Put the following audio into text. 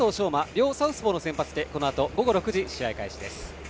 両サウスポーの先発でこのあと午後６時試合開始です。